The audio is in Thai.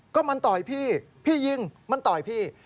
ก็มันต่อยพี่พี่ยิงมันต่อยพี่